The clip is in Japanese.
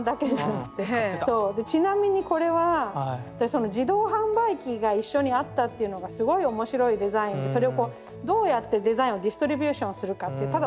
ちなみにこれは私その自動販売機が一緒にあったっていうのがすごい面白いデザインそれをこうどうやってデザインをディストリビューションするかって。